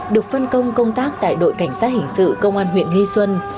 được phân công công tác tại đội cảnh sát hình sự công an huyện nghi xuân